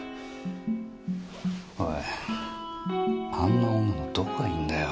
おいあんな女どこがいいんだよ？